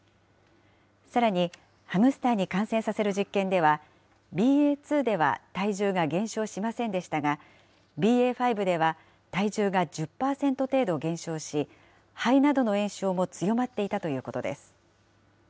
さらに、ハムスターに感染させる実験では、ＢＡ．２では体重が減少しませんでしたが、ＢＡ．５では体重が１０％程度減少し、肺などの炎症も強まっていたということです。